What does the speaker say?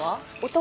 男？